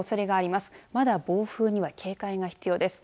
まだ暴風には警戒が必要です。